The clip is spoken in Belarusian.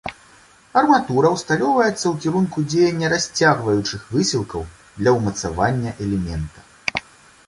Арматура усталёўваецца ў кірунку дзеяння расцягваючых высілкаў для ўмацавання элемента.